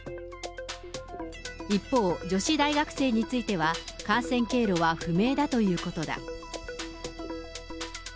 一方、女子大学生については、感染経路は不明だということだ。